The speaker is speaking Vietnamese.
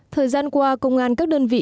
thời gian qua công an các đơn vị